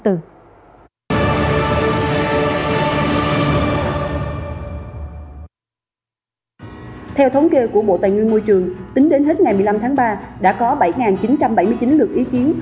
theo thống kê của bộ tài nguyên môi trường tính đến hết ngày một mươi năm tháng ba đã có bảy chín trăm bảy mươi chín lượt ý kiến